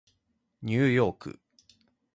ニューヨーク